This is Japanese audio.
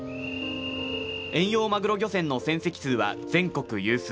遠洋マグロ漁船の船籍数は全国有数。